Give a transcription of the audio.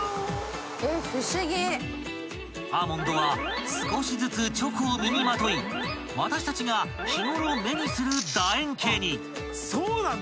［アーモンドは少しずつチョコを身にまとい私たちが日ごろ目にする楕円形に］